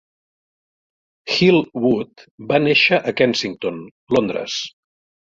Hill-Wood va néixer a Kensington (Londres).